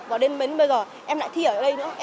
và đến bây giờ em lại thi ở đây nữa